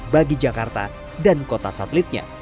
bagi jakarta dan kota satelitnya